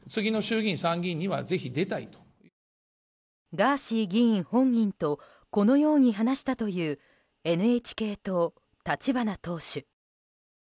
ガーシー議員本人とこのように話したというＮＨＫ党、立花党首。